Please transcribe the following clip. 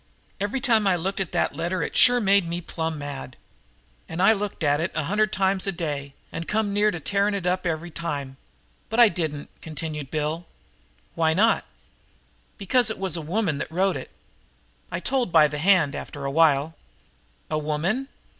"Every time I looked at that letter it sure made me plumb mad. And I looked at it a hundred times a day and come near tearing it up every time. But I didn't," continued Bill. "Why not?" "Because it was a woman that wrote it. I told by the hand, after a while!" "A woman?